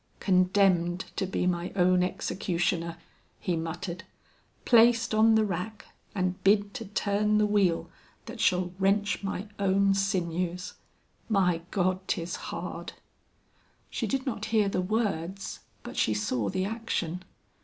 "Condemned to be my own executioner!" he muttered. "Placed on the rack and bid to turn the wheel that shall wrench my own sinews! My God, 'tis hard!" She did not hear the words, but she saw the action.